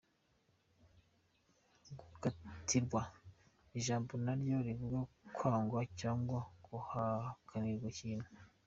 Gukatirwa : ijambo na ryo rivuga kwangwa cyangwa guhakanirwa ikintu.